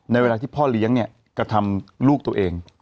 เวลาที่พ่อเลี้ยงเนี่ยกระทำลูกตัวเอง